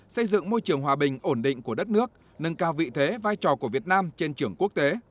xây dựng môi trường hòa bình ổn định của đất nước nâng cao vị thế vai trò của việt nam trên trường quốc tế